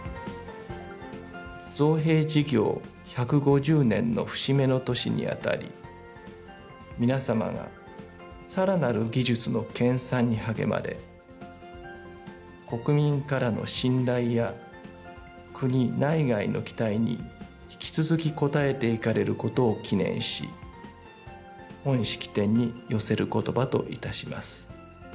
造幣事業１５０年の節目の年にあたり、皆様がさらなる技術の研さんに励まれ、国民からの信頼や国内外の期待に引き続き応えていかれることを祈念し、本式典に寄せることばといたします。